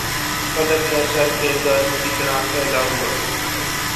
فلک ہے سر پہ اُداسی کی طرح پھیلا ہُوا